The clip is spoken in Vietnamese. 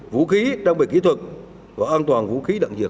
vũ khí đồng bệnh kỹ thuật và an toàn vũ khí đạn dược